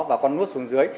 và con nuốt xuống dưới